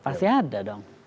pasti ada dong